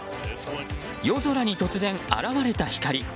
夜空に突然現れた光。